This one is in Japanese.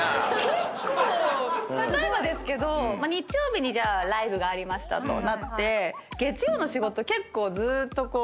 例えばですけど日曜日にライブがありましたとなって月曜の仕事結構ずーっとこう。